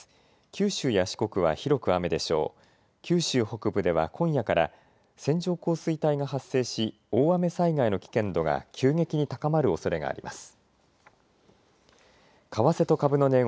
九州北部では今夜から線状降水帯が発生し大雨災害の危険度が急激に高まるおそれがあります。